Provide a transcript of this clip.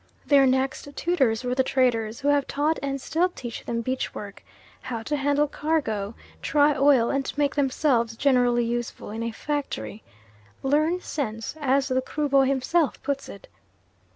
Their next tutors were the traders, who have taught and still teach them beach work; how to handle cargo, try oil, and make themselves generally useful in a factory, "learn sense," as the Kruboy himself puts it.